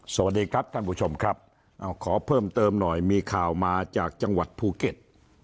สวัสดีครับท่านผู้ชมครับขอเพิ่มเติมหน่อยมีข่าวมาจากจังหวัดภูเก็ต